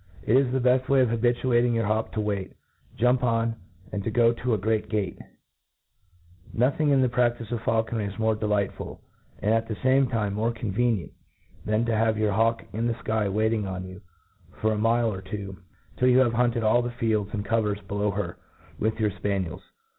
It \% the beft way of habituating your hawk to wait,; jump on,, and to go to a great gate. Nothing in the practice of faulconry is more delightful, and,i s^ the feme time, more convenient, than to have your hawk in tlie {ky waiting, on you for a mife or two^ till you have hunted all the fields and covers below her with your fpaniels.